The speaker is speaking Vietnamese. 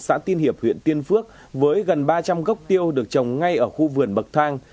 ở thuyện tiên phước với gần ba trăm linh gốc tiêu được trồng ngay ở khu vườn bậc thang